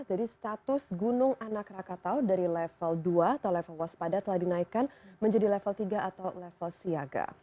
jadi status gunung anak rakatao dari level dua atau level waspada telah dinaikkan menjadi level tiga atau level siaga